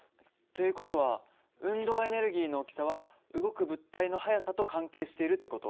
という事は運動エネルギーの大きさは動く物体の速さと関係しているって事？